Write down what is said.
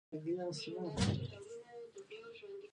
دغه حالت د اقتصادي پرمختیا حالت دی.